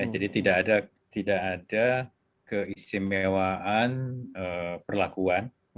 jadi tidak ada keistimewaan perlakuan